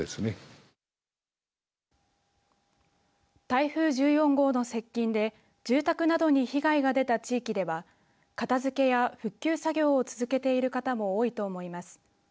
台風１４号の接近で住宅などに被害が出た地域では片づけや復旧作業を続けている方も多いと思います。